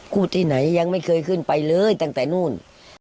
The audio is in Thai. ที่ไหนยังไม่เคยขึ้นไปเลยตั้งแต่นู่น